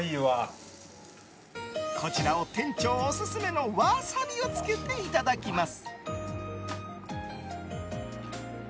こちらを店長オススメのワサビをつけていただきます！